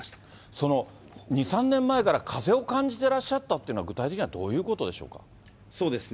その２、３年前から風を感じてらっしゃったっていうのは、具体的にはどうそうですね。